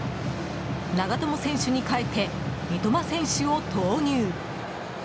長友選手に代えて三笘選手を投入。